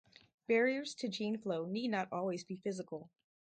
Barriers to gene flow need not always be physical.